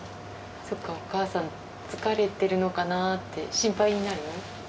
そっか、お母さん、疲れてるのかなって、心配になる？